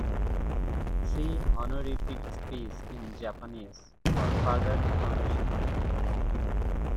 See Honorific speech in Japanese, for further information.